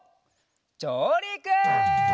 じょうりく！